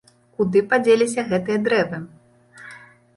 Куды падзеліся гэтыя дрэвы?